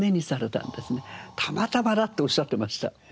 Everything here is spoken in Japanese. たまたまだっておっしゃってました。